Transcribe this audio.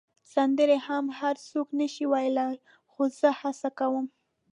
سندرې هم هر څوک نه شي ویلای، خو زه هڅه کوم.